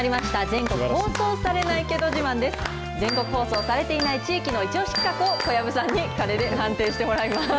全国放送されていない地域の一押し企画を、小籔さんに鐘で判定してもらいます。